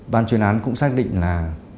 ban chuyên án cũng xác định là